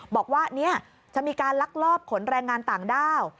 บอกว่าจะมีการลักลอบขนแรงงานต่างด้าว